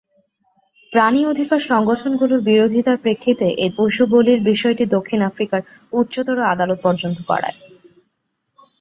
প্রাণী অধিকার সংগঠনগুলোর বিরোধিতার প্রেক্ষিতে এই পশু বলির বিষয়টি দক্ষিণ আফ্রিকার উচ্চতর আদালত পর্যন্ত গড়ায়।